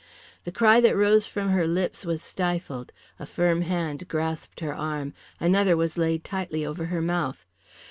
The cry that rose to her lips was stifled, a firm hand grasped her arm, another was laid tightly over her mouth.